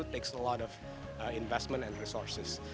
membutuhkan banyak investasi dan sumber